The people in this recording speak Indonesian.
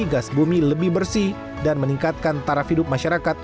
gas bumi lebih bersih dan meningkatkan taraf hidup masyarakat